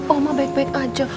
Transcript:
oma baik baik aja